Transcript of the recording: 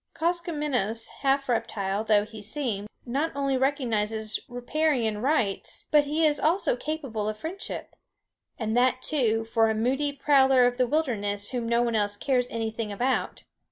Koskomenos, half reptile though he seem, not only recognizes riparian rights, but he is also capable of friendship and that, too, for a moody prowler of the wilderness whom no one else cares anything about.